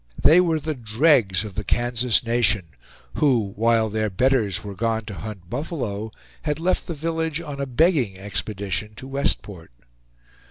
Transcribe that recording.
They were the dregs of the Kansas nation, who, while their betters were gone to hunt buffalo, had left the village on a begging expedition to Westport.